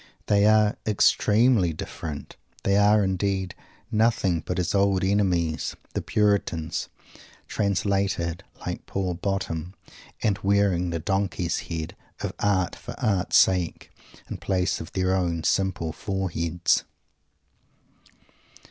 They are extremely different. They are, indeed, nothing but his old enemies, the Puritans, "translated," like poor Bottom, and wearing the donkey's head of "art for art's sake" in place of their own simple foreheads.